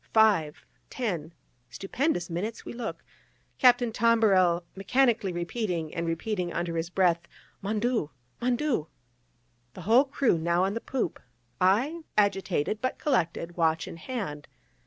Five, ten, stupendous minutes we look, Captain Tombarel mechanically repeating and repeating under his breath "Mon Dieu!" "Mon Dieu!" the whole crew now on the poop, I agitated, but collected, watch in hand.